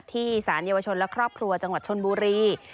ที่สารเยาวชนและครอบครัวจังหวัดชนบุรี